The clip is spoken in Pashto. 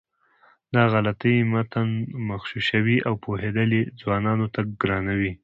دا غلطۍ متن مغشوشوي او پوهېدل یې ځوانانو ته ګرانوي.